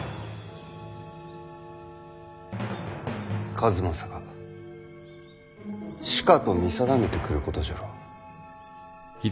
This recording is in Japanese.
数正がしかと見定めてくることじゃろう。